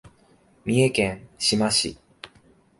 三重県志摩市